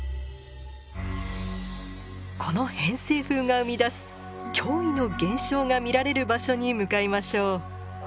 この偏西風が生み出す驚異の現象が見られる場所に向かいましょう。